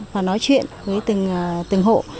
và nói chuyện với từng hộ